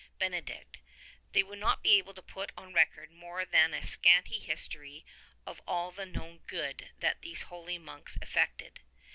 Bene dict, they would not be able to put on record more than a scanty history of all the known good these holy monks effected.